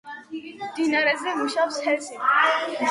მდინარეზე მუშაობს ჰესი.